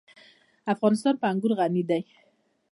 افغانستان په انګور غني دی.